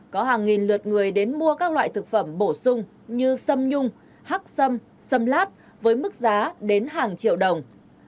có hàng nghìn lượt người đến mua các loại thực phẩm bổ sung như xâm nhung hắc xâm xâm lát với mức giá đến hàng triệu đồng